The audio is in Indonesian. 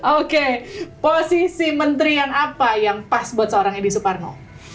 oke posisi menterian apa yang pas buat seorang edi soeparno